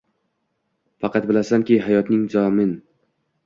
Faqat bilasanki — hayoting zomin